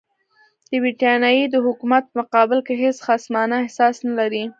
د برټانیې د حکومت په مقابل کې هېڅ خصمانه احساس نه لري.